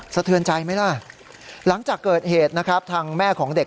สะเทือนใจไหมล่ะหลังจากเกิดเหตุนะครับทางแม่ของเด็ก